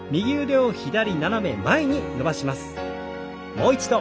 もう一度。